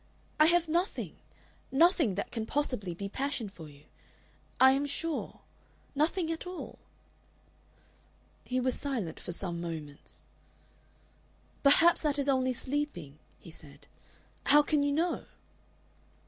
I have nothing, nothing that can possibly be passion for you. I am sure. Nothing at all." He was silent for some moments. "Perhaps that is only sleeping," he said. "How can you know?"